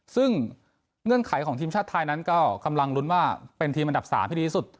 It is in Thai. ซึ่งเงื่อนไขของทีมชาติไทยนั้นก็กำลังลุ้นว่าเป็นทีมอันดับ๓ที่ดีที่สุด